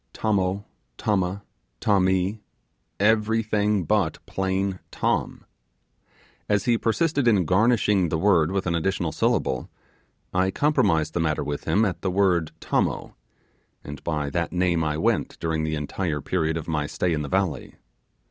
'Tommo,' 'Tomma', 'Tommee', everything but plain 'Tom'. As he persisted in garnishing the word with an additional syllable, I compromised the matter with him at the word 'Tommo'; and by that name I went during the entire period of my stay in the valley.